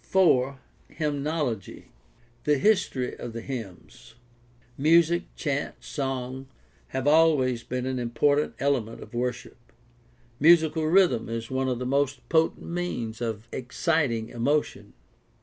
4. HYMNOLOGY ' The history of the hymns. — Music, chant, song, have always been an important element of worship. Musical rhythm is one of the most potent means of exciting emotion.